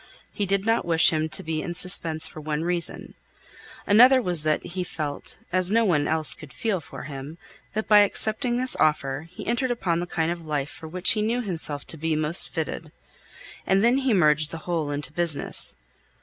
He did not wish him to be in suspense for one reason. Another was that he felt, as no one else could feel for him, that by accepting this offer, he entered upon the kind of life for which he knew himself to be most fitted. And then he merged the whole into business.